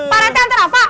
pak rt nganter rafa